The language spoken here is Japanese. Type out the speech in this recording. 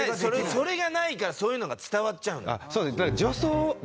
それがないからそういうのが伝わっちゃうの。